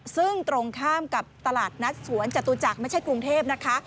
ซึ่งตรงข้ามกับตลาดนัดสวนจตุจักรไม่ใช่กรุงเทพนะคะ